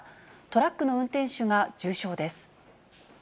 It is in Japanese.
トラックの運転手が重傷です。